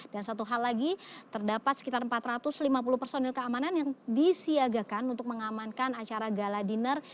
dan satu hal lagi terdapat sekitar empat ratus lima puluh personil keamanan yang disiagakan untuk mengamankan acara gala dinner